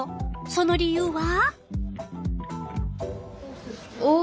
その理由は？